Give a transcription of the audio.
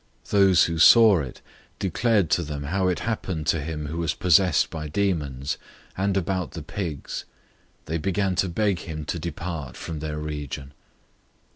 005:016 Those who saw it declared to them how it happened to him who was possessed by demons, and about the pigs. 005:017 They began to beg him to depart from their region.